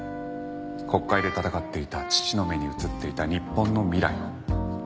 国会で戦っていた父の目に映っていた日本の未来を。